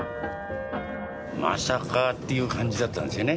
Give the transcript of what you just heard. まさかっていう感じだったんですよね。